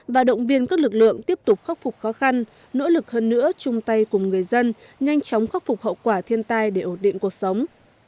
và động viên các lực lượng tiếp tục khắc phục khó khăn nỗ lực hơn nữa chung tay cùng người dân nhanh chóng khắc phục hậu quả thiên tai để ổn định cuộc sống